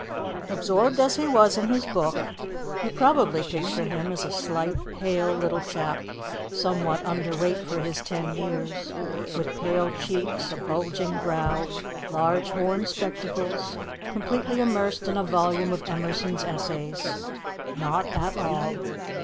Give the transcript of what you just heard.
Absorbed as he was in his book, you probably picture him as a slight, pale little chap, somewhat underweight for his ten years, with pale cheeks, a bulging brow, large horn spectacles, completely immersed in a volume of Emerson's Essays. Not at all.